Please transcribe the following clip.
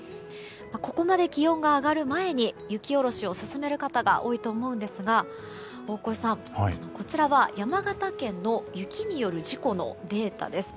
ここまで気温が上がる前に雪下ろしを進める方が多いと思いますが大越さん、こちらは山形県の雪による事故のデータです。